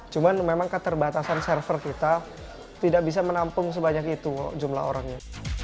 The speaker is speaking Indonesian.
cuman memang keterbatasan server kita tidak bisa menampung sebanyak itu jumlah orangnya